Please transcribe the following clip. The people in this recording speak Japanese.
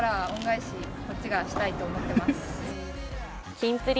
キンプリ